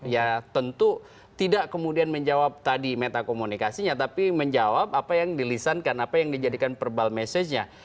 ya tentu tidak kemudian menjawab tadi metakomunikasinya tapi menjawab apa yang dilisankan apa yang dijadikan verbal message nya